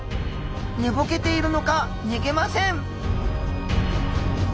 寝ぼけているのか逃げません。